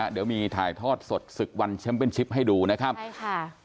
เดี๋ยวมีถ่ายทอดสดศึกวันแชมป์เป็นชิปให้ดูนะครับใช่ค่ะ